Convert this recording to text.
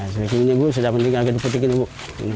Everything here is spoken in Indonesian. sepertinya saya sudah memotongnya agak putih